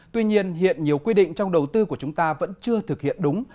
tuy nhiên hiện nhiều quy định trong đầu tư của chúng ta vẫn chưa thực hiện đúng